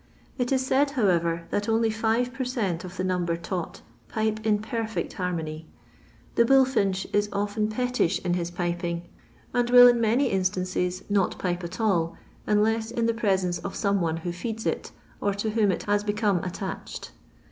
It is ■ud, however, that only five per cent, of the num b«r taught pipe in vtirfect harmony. The bull iaeh it often pettish in his piping, and will in many instances not pipe at all, unless in the presence of some one who feeds it, er to whom il has become attached.